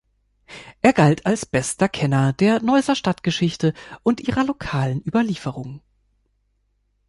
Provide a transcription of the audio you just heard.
Er galt als „bester Kenner der Neusser Stadtgeschichte und ihrer lokalen Überlieferung“.